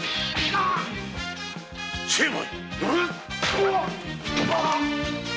成敗！